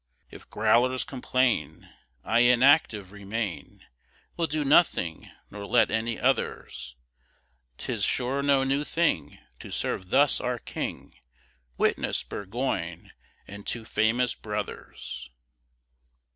"If growlers complain, I inactive remain Will do nothing, nor let any others! 'Tis sure no new thing To serve thus our king Witness Burgoyne, and two famous Brothers!"